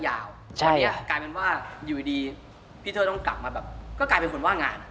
ตอนนี้กลายเป็นว่าอยู่ดีพี่เท่ยต้องกลับมาแบบก็กลายเป็นคนว่างงาน